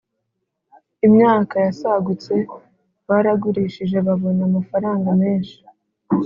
Imyaka yasagutse baragurishije babona amafaranga menshi